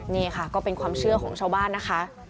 นี่ค่ะก็เป็นความเชื่อของชาวบ้านนะคะ